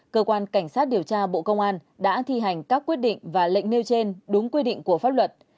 cơ quan cảnh sát điều tra bộ công an đã thi hành các quyết định và lệnh nêu trên đúng quy định của pháp luật